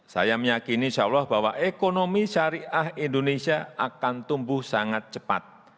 saya meyakini insya allah bahwa ekonomi syariah indonesia akan tumbuh sangat cepat